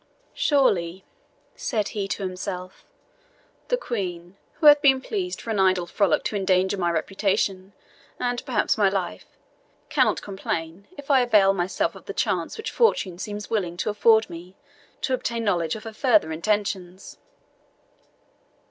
"Surely," said he to himself, "the Queen, who hath been pleased for an idle frolic to endanger my reputation, and perhaps my life, cannot complain if I avail myself of the chance which fortune seems willing to afford me to obtain knowledge of her further intentions."